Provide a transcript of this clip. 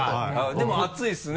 でも熱いですね。